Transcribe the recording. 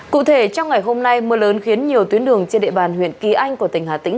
cụ thể trong ngày hôm nay mưa lớn khiến nhiều tuyến đường trên địa bàn huyện kỳ anh của tỉnh hà tĩnh